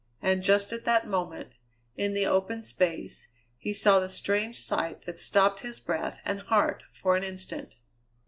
And just at that moment, in the open space, he saw the strange sight that stopped his breath and heart for an instant.